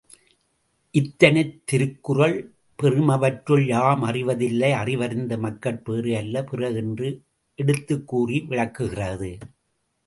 இதனைத் திருக்குறள், பெறுமவற்றுள் யாமறிவ தில்லை அறிவறிந்த மக்கட்பேறு அல்ல பிற என்று எடுத்துக்கூறி விளக்குகிறது.